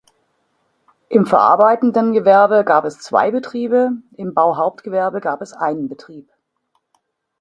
Im verarbeitenden Gewerbe gab es zwei Betriebe, im Bauhauptgewerbe gab es einen Betrieb.